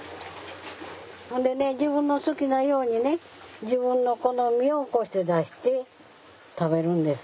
ほんでね自分の好きなようにね自分の好みをこうして出して食べるんです。